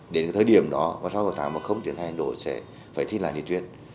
đến thời điểm đó sau sáu tháng mà không tiến thay hãn đổi sẽ phải thi lại đi tuyến